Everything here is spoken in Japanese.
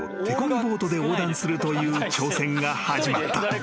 ボートで横断するという挑戦が始まった］